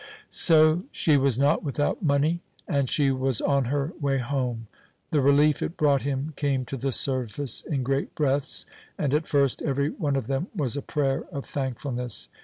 So she was not without money, and she was on her way home! The relief it brought him came to the surface in great breaths, and at first every one of them was a prayer of thankfulness.